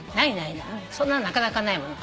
そんななかなかないもの。